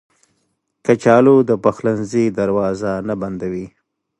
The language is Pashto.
کچالو د پخلنځي دروازه نه بندوي